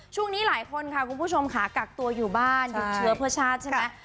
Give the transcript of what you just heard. ช่วงนี้หลายคนค่ะคุณผู้ชมค่ะกักตัวอยู่บ้านหยุดเชื้อเพื่อชาติใช่ไหม